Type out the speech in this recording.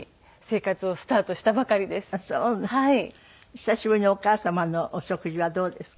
久しぶりのお母様のお食事はどうですか？